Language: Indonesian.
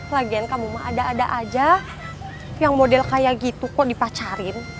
lagian kamu mah ada ada aja yang model kayak gitu kok dipacarin